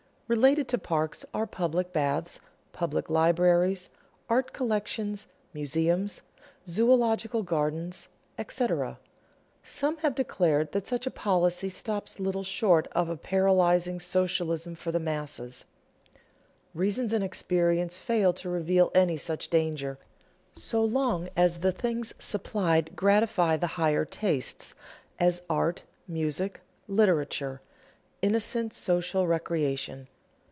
Related to parks are public baths, public libraries, art collections, museums, zoölogical gardens, etc. Some have declared that such a policy stops little short of a paralyzing socialism for the masses. Reason and experience fail to reveal any such danger so long as the things supplied gratify the higher tastes as art, music, literature, innocent social recreation.